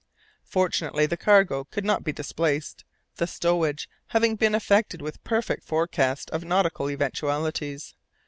Fortunately, the cargo could not be displaced, the stowage having been effected with perfect forecast of nautical eventualities.